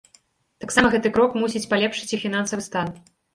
Таксама гэты крок мусіць палепшыць іх фінансавы стан.